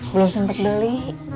belum sempet beli